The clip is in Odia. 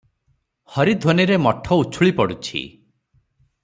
ହରିଧ୍ୱନିରେ ମଠ ଉଛୁଳି ପଡ଼ୁଛି ।